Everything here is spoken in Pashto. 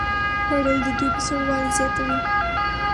خوړل د دوبي سوړوالی زیاتوي